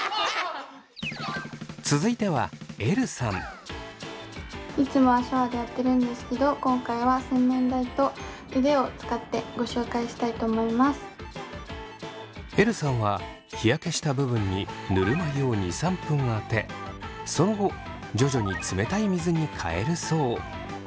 続いてはいつもはシャワーでやってるんですけど今回はえるさんは日焼けした部分にぬるま湯を２３分あてその後徐々に冷たい水に変えるそう。